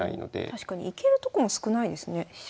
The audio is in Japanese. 確かに行けるとこも少ないですね飛車。